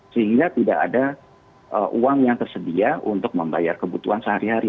sehingga tidak ada uang yang tersedia untuk membayar kebutuhan sehari hari